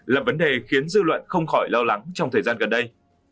là vấn đề khiến dư luận không khỏi lo lắng trong thời gian gần đây